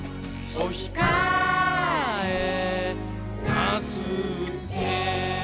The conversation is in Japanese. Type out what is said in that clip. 「おひかえなすって！」